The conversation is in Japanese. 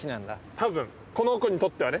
多分この子にとってはね。